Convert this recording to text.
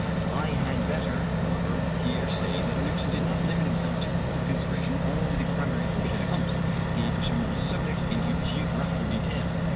I had better, however, here say that Newton did not limit himself to the consideration of the primary oceanic humps: he pursued the subject into geographical detail.